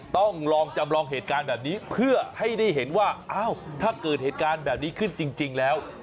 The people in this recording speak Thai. ต้องลองจำลองเหตุการณ์แบบนี้เพื่อให้ได้เห็นว่าอ้าวถ้าเกิดเหตุการณ์แบบนี้ขึ้นจริงแล้ว